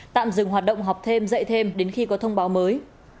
tạm dừng hoạt động học thêm dạy thêm đến khi có thông báo mới